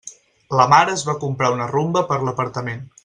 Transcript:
La Mar es va comprar una Rumba per a l'apartament.